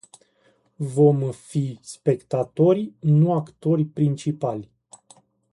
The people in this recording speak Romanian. Vom fi spectatori, nu actori principali.